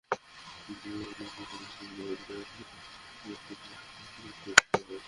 Chittagong medical college হাসপাতালে গিয়ে তুমি সাইকিয়াট্রি বিভাগের চিকিৎসকের পরামর্শ নাও।